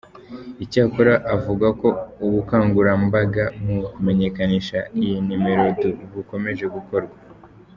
Icyakora avuga ko ubukangurambaga mu kumenyekanisha iyi numero bukomeje gukorwa.